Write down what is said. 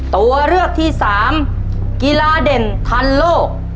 ตัวเลือกที่สามกีฬาเด่นทันโลก